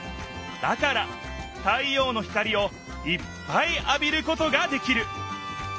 だから太ようの光をいっぱいあびることができる。